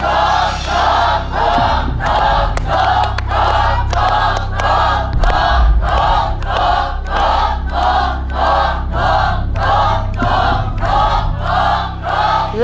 ถูกถูกถูก